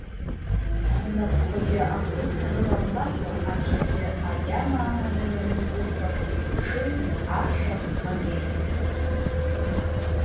Унапқәагьы ақәыц рыламлакәа, аҵәагьы агьама аманы ианузыфа, уҽыҩ аԥхьахә агеит.